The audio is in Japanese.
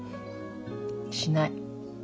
しない。